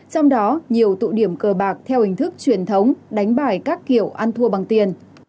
trong đó nhiều tụ điểm cờ bạc theo hình thức truyền thống đánh bài các kiểu ăn thua bằng tiền